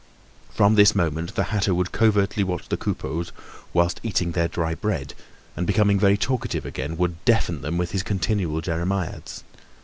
From this moment the hatter would covertly watch the Coupeaus whilst eating their dry bread, and becoming very talkative again, would deafen them with his continual jeremiads.